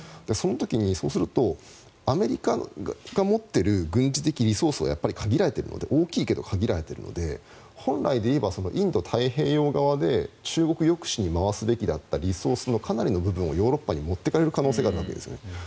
その時にそうするとアメリカが持っている軍事的リソースが大きいけど限られているので本来でいえばインド太平洋側で中国抑止に回すべきだったリソースのかなりの部分をヨーロッパに持っていかれる可能性があるわけですね。